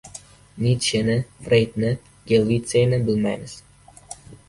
Nitsheni, Freydni, Gelvitsiyni bilmaymiz.